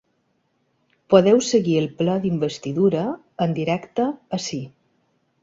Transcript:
Podeu seguir el ple d’investidura en directe ací.